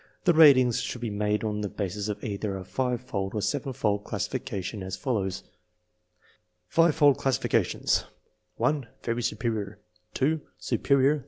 The ratings should be made on the basis of either a five fold or seven fold classification, as follows: Five fold classification Seven fold classification 1. Very superior 1.